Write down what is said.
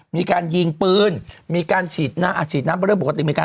มีการยิงปืนมีการฉีดน้ำอ่ะฉีดน้ำเป็นเรื่องปกติมีการ